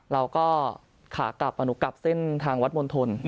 เราก็ขากลับอนุกลับเส้นทางวัดมณฑล